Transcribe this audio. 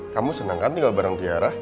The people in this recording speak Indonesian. kamu senang kan tinggal barang tiara